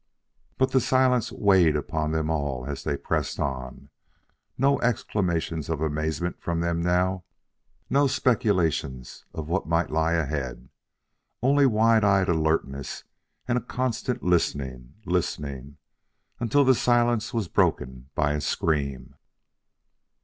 But the silence weighed upon them all as they pressed on. No exclamations of amazement from them now, no speculations of what might lie ahead. Only wide eyed alertness and a constant listening, listening until the silence was broken by a scream.